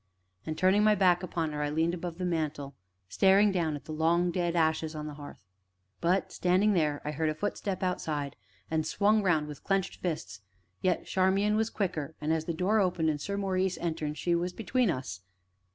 And, turning my back upon her, I leaned above the mantel, staring down at the long dead ashes on the hearth. But, standing there, I heard a footstep outside, and swung round with clenched fists, yet Charmian was quicker, and, as the door opened and Sir Maurice entered, she was between us.